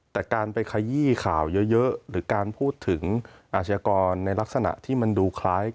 แต่การไปขยี้ข่าวเยอะหรือการพูดถึงอาชญากรในลักษณะที่มันดูคล้าย